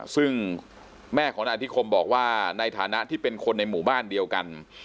ซึ่งแม่ของนายอธิคมบอกว่าในฐานะที่เป็นคนในหมู่บ้านเดียวกัน